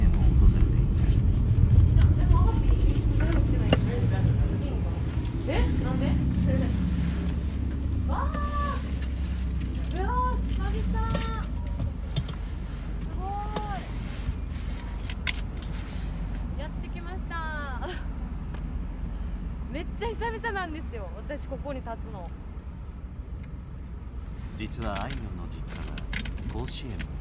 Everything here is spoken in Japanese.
実はあいみょんの実家は甲子園のすぐそば。